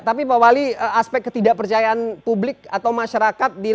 tapi pak wali aspek ketidakpercayaan publik atau masyarakat